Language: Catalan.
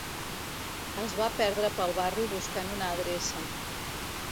Es va perdre pel barri buscant una adreça.